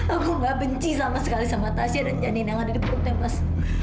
aku gak benci sama sekali sama tasya dan janin yang ada di perutnya mas